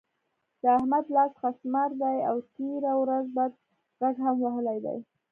د احمد لاس خسمار دی؛ او تېره ورځ بد غږ هم وهلی دی.